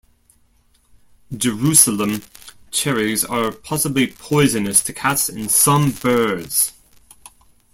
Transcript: Jerusalem cherries are possibly poisonous to cats and some birds.